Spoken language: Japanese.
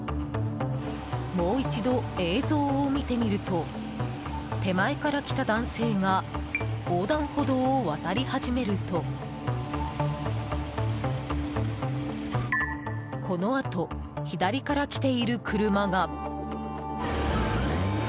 もう一度、映像を見てみると手前から来た男性が横断歩道を渡り始めるとこのあと、左から来ている車が。